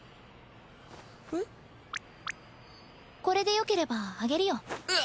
これでよければあげるよ。